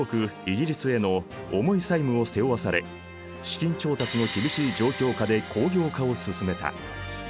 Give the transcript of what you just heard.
イギリスへの重い債務を背負わされ資金調達の厳しい状況下で工業化を進めた。